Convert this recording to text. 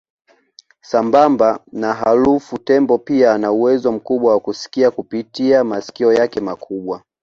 Sambamba na harufu tembo pia ana uwezo mkubwa wa kusikia kupitia masikio yake makubwa